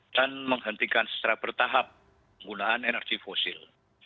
dan menghentikan secara bertahap gunaan energi fosil